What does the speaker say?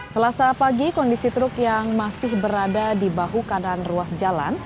selasa pagi kondisi truk yang masih berada di bahu kanan ruas jalan